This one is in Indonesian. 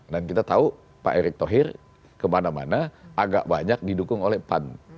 dan kita tahu pak erik thohir kemana mana agak banyak didukung oleh pan